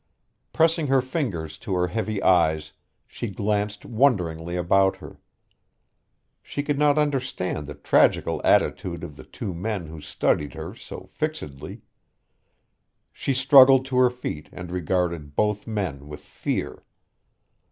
Pressing her fingers to her heavy eyes, she glanced wonderingly about her. She could not understand the tragical attitude of the two men who studied her so fixedly. She struggled to her feet and regarded both men with fear.